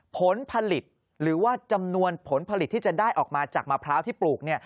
ผลผลิตหรือว่าจำนวนผลผลิตที่จะได้ออกมาจากมะพร้าวที่ปลูกเนี่ย